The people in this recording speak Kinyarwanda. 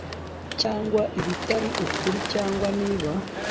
cyangwa ibitari ukuri cyangwa niba